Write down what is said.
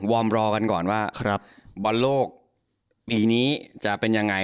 วอร์มรอกันก่อนว่าครับบอลโลกปีนี้จะเป็นยังไง